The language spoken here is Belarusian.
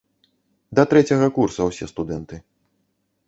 Да трэцяга курса ўсе студэнты.